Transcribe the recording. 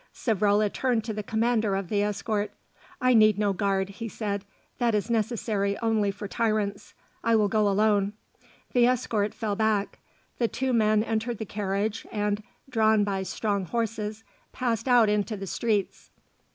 Savrola turned to the commander of the escort. "I need no guard," he said; "that is necessary only for tyrants. I will go alone." The escort fell back. The two men entered the carriage and, drawn by strong horses, passed out into the streets.